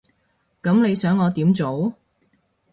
噉你想我點做？